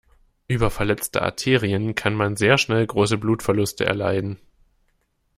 Über verletzte Arterien kann man sehr schnell große Blutverluste erleiden.